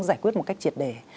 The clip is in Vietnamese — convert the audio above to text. giải quyết một cách triệt đề